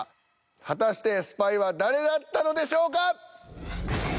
果たしてスパイは誰だったのでしょうか？